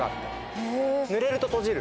濡れると閉じる？